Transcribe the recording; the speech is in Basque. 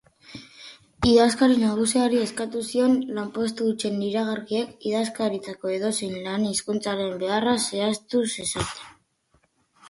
Idazkari nagusiari eskatu zion lanpostu hutsen iragarkiek Idazkaritzako edozein lan-hizkuntzaren beharra zehaztu zezaten.